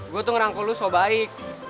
gue tuh ngerangkul lu so baik